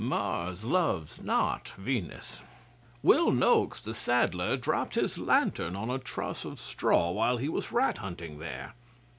Mars loves not Venus. Will Noakes the saddler dropped his lantern on a truss of straw while he was rat hunting there.